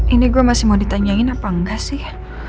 ini gue masih mau ditanyain apa enggak sih